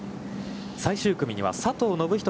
最終組には佐藤信人